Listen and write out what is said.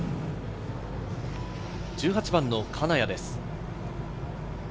１８番の金谷です。